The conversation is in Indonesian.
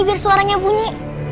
biar suaranya bunyi